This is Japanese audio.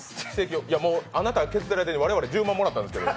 あなたが削ってる間に僕ら１０万もらったんですけど。